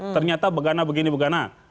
ternyata begana begini begana